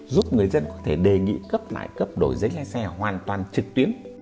giúp người dân có thể đề nghị cấp lại cấp đổi giấy lái xe hoàn toàn trực tuyến